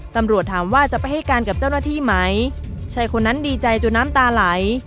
ตำรวจถามว่าจะไปให้การกับเจ้าหน้าที่ไหมชายคนนั้นดีใจจนน้ำตาไหล